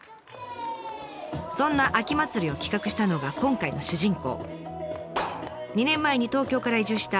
そんな秋祭りを企画したのが今回の主人公。